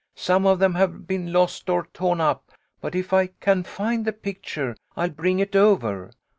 Some of them have been lost or torn up, but if I can find the pic ture I'll bring it over.